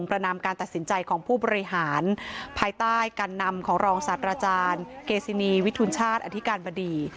ระนามการตัดสินใจของผู้บริหารภายใต้การนำของรองศาสตราจารย์เกซินีวิทุนชาติอธิการบดี